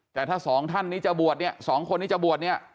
แต่ถ้าสองท่านนี้จะบวชเนี่ยสองคนนี้จะบวชเนี่ย